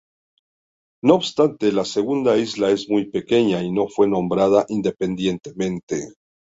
No obstante, la segunda isla es muy pequeña y no fue nombrada independientemente.